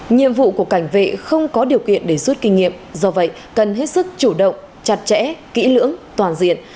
nhiệm vụ của cảnh vệ không có điều kiện để rút kinh nghiệm do vậy cần hết sức chủ động chặt chẽ kỹ lưỡng toàn diện